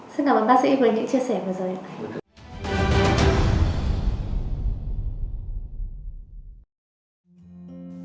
xin cảm ơn bác sĩ của anh đã chia sẻ với rồi ạ